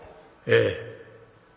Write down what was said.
「ええ。